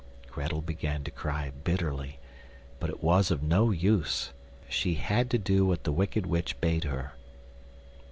Grettel began to cry bitterly, but it was of no use; she had to do what the wicked witch bade her.